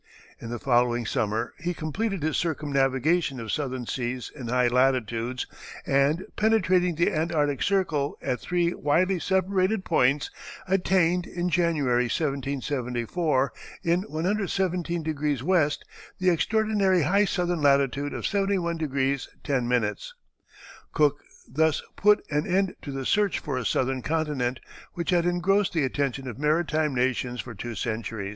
In the following summer he completed his circumnavigation of Southern seas in high latitudes, and penetrating the Antarctic Circle at three widely separated points, attained, in January, 1774, in 117° W., the extraordinary high southern latitude of 71° 10´. Cook thus "put an end to the search for a southern continent, which had engrossed the attention of maritime nations for two centuries."